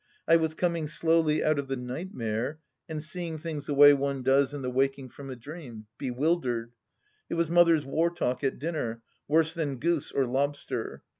I was coming slowly out of the nightmare and seeing things the way one does La the waking from a dream ... bewildered. ... It was Mother's war talk at dinner, worse than goose or lobster.